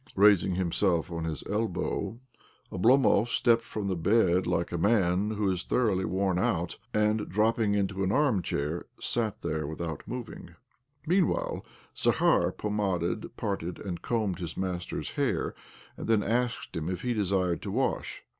Raising himself on his elbow, Oblomov stepped from the bed like a man who is thoroughly worn out, and, dropping into an arm chair, sat there without moving. Mean while Zakhar pomaded, parted, and combed his master's hair, and then asked him if he desired to wash.